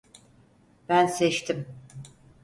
Ben seçtim.